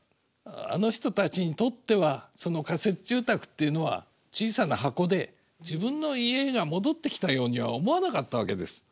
あの人たちにとっては仮設住宅っていうのは小さな箱で自分の家が戻ってきたようには思わなかったわけです。